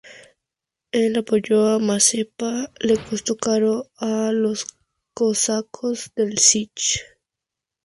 El apoyo a Mazepa le costó caro a los cosacos del Sich.